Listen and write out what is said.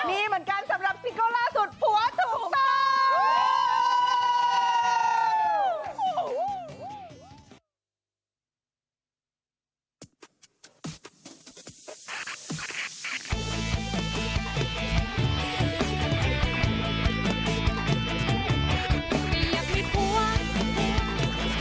ดีเหมือนกันสำหรับซิโก้ล่าสุดผัวถูกต้อง